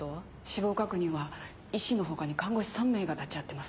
死亡確認は医師の他に看護師３名が立ち会ってます。